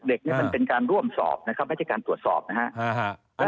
เด็กมันเป็นการร่วมสอบไม่ใช่การตรวจสอบนะครับ